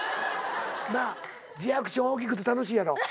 なあリアクション大きくて楽しいやろう。